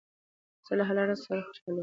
زه له حلال رزق سره خوشحاله یم.